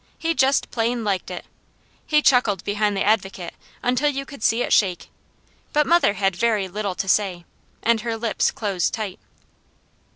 He just plain liked it! He chuckled behind the Advocate until you could see it shake; but mother had very little to say, and her lips closed tight.